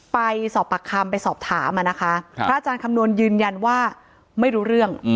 ไปสอบปากคำไปสอบถามนะคะพระอาจารย์คำนวณยืนยันว่าไม่รู้เรื่อง